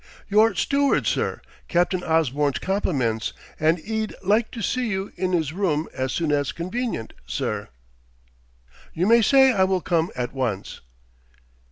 "Your steward, sir. Captain Osborne's compliments, an' 'e'd like to see you in 'is room as soon as convenient, sir." "You may say I will come at once."